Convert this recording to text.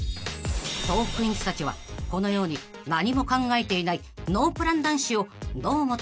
［トークィーンズたちはこのように何も考えていないノープラン男子をどう思っているんでしょうか］